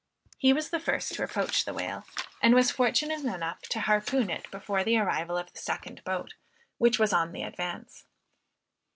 He was the first to approach the whale; and was fortunate enough to harpoon it before the arrival of the second boat, which was on the advance.